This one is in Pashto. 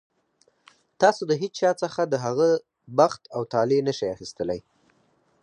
تاسو د هېچا څخه د هغه بخت او طالع نه شئ اخیستلی.